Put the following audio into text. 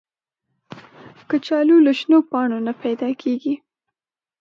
کچالو له شنو پاڼو نه پیدا کېږي